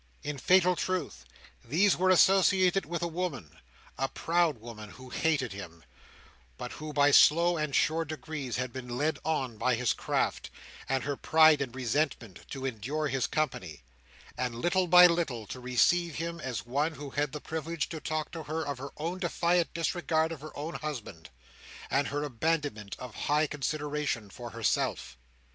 In fatal truth, these were associated with a woman, a proud woman, who hated him, but who by slow and sure degrees had been led on by his craft, and her pride and resentment, to endure his company, and little by little to receive him as one who had the privilege to talk to her of her own defiant disregard of her own husband, and her abandonment of high consideration for herself.